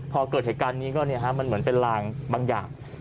พอเกิดเหตุการณ์นี้ก็มันเหมือนเป็นลางบางอย่าง